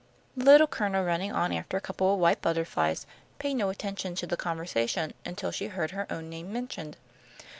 The Little Colonel, running on after a couple of white butterflies, paid no attention to the conversation until she heard her own name mentioned.